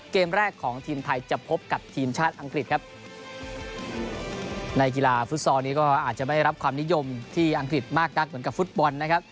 เกมแรกของทีมไทยจะพบกับทีมชาติอังกฤษครับในกีฬาฟุตซอลนี้ก็อาจจะไม่ได้รับความนิยมที่อังกฤษมากนักเหมือนกับฟุตบอลนะครับ